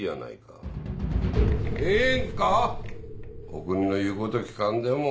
お国の言うこと聞かんでも。